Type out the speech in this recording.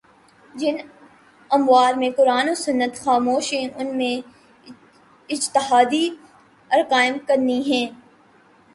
جن امور میں قرآن و سنت خاموش ہیں ان میں اجتہادی آراقائم کرنی ہیں